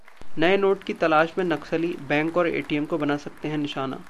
नए नोट की तलाश में नक्सली, बैंक और एटीएम को बना सकते हैं निशाना